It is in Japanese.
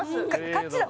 勝ちだ